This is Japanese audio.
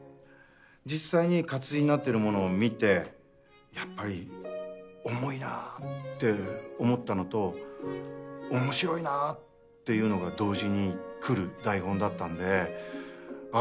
実際に活字になってる物を見てやっぱり重いなって思ったのと面白いなっていうのが同時にくる台本だったんでああ